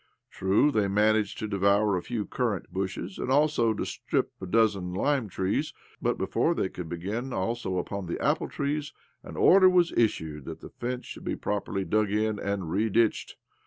True, they managed to devour a few currant bushes, and also to strip a dozen lime trees ; but before they could begin also upon the apple trees an order was issued that the fence should be properly dug in and reditched.